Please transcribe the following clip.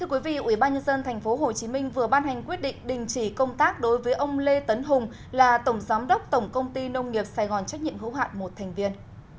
ubnd tp hcm vừa ban hành quyết định đình chỉ công tác đối với ông lê tấn hùng là tổng giám đốc tổng công ty nông nghiệp sài gòn trách nhiệm hữu hạn một thành viên